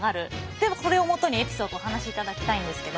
でこれを基にエピソードをお話しいただきたいんですけど。